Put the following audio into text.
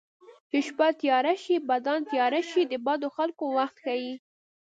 چې شپه تیاره شي بدان تېره شي د بدو خلکو وخت ښيي